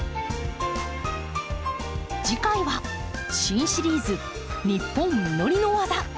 次回は新シリーズ「ニッポン実りのわざ」。